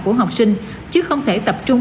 của học sinh chứ không thể tập trung